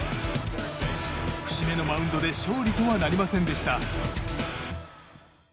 節目のマウンドで勝利とはなりませんでした。